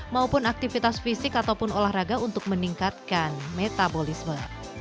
maupun aktivitas fisik ataupun olahraga untuk meningkatkan metabolisme